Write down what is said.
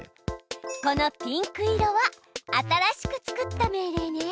このピンク色は新しく作った命令ね！